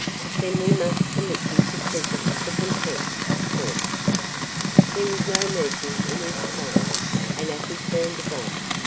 "Then we must commit you to prison for contempt of court." There was no mercy in his tone, and Afy turned white.